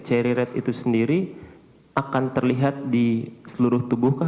seri red itu sendiri akan terlihat di seluruh tubuh kah